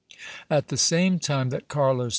At the same time that Carlos III.